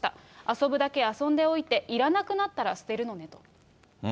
遊ぶだけ遊んでおいて、いらなくなったら捨てるのねと。